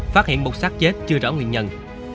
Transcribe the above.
phát hiện một sát chết chưa rõ nguyên nhân